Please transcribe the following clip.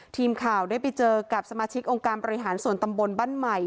ทีมข่าวได้ไปเจอกับสมาชิกองค์การบริหารส่วนตำบลบ้านใหม่